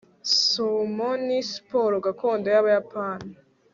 sumo ni siporo gakondo y'abayapani